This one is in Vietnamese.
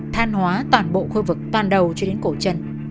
than hóa toàn bộ khu vực toàn đầu cho đến cổ chân